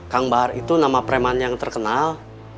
kang bahar itu nama preman yang terkenal